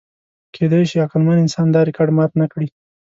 کېدی شي عقلمن انسان دا ریکارډ مات نهکړي.